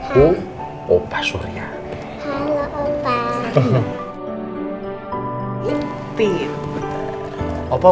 boleh gak sih minta peluk reina